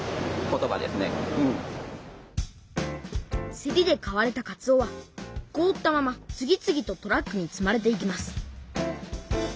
せりで買われたかつおはこおったまま次々とトラックに積まれていきます